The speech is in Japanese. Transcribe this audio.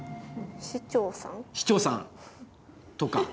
市長さんとか？